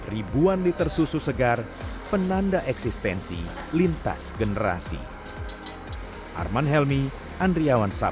ribuan liter susu segar penanda eksistensi lintas generasi